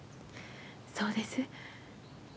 そうです。